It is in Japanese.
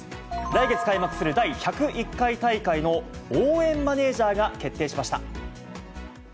来月開幕する第１０１回大会の応援マネージャーが決定しました。